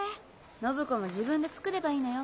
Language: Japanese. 信子も自分で作ればいいのよ。